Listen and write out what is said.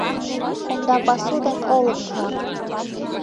Кумда пасу ден олык-влак.